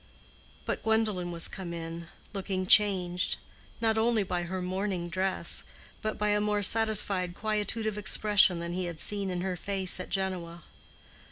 But Gwendolen was come in, looking changed; not only by her mourning dress, but by a more satisfied quietude of expression than he had seen in her face at Genoa.